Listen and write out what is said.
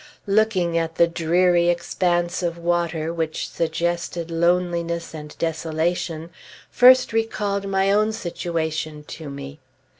Looking at the dreary expanse of water, which suggested loneliness and desolation, first recalled my own situation to me.